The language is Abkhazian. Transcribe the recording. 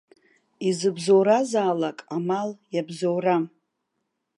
Изыбзоуразаалак, амал иабзоурам!